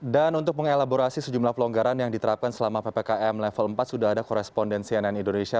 dan untuk mengelaborasi sejumlah pelonggaran yang diterapkan selama ppkm level empat sudah ada korespondensi ann indonesia